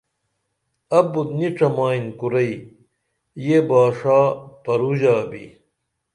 ابُت نی ڇمئین کُرئی یہ باݜا پروژا بی